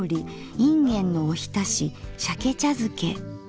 いんげんのおひたし鮭茶づけ。